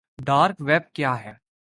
dark web کیا ہے